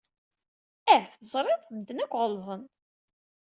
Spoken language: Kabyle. Ah, teẓriḍ? Medden akk ɣellḍen.